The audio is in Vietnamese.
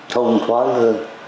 thông thoáng hơn